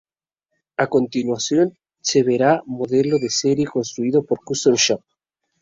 A continuación se verá un modelo de serie construido en la Custom Shop.